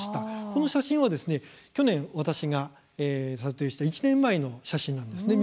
この写真はですね去年、私が撮影した１年前の写真なんですね。